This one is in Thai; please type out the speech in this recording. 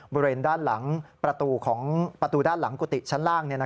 บริเวณด้านหลังประตูของประตูด้านหลังกุฏิชั้นล่าง